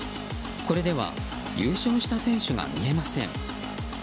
これでは優勝した選手が見えません。